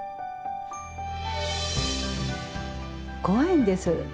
怖いんです。